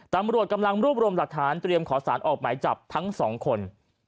ตำรวจกำลังรวบรวมหลักฐานเตรียมขอสารออกหมายจับทั้งสองคน